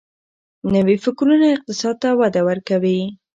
نوي فکرونه اقتصاد ته وده ورکوي.